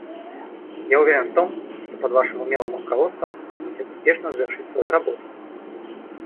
Я уверен в том, что под Вашим умелым руководством Комитет успешно завершит свою работу.